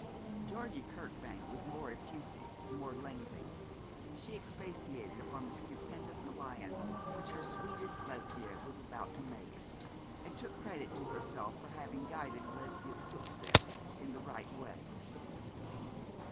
Georgie Kirkbank was more effusive, more lengthy. She expatiated upon the stupendous alliance which her sweetest Lesbia was about to make; and took credit to herself for having guided Lesbia's footsteps in the right way.